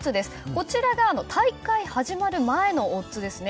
こちらが大会が始まる前のオッズですね。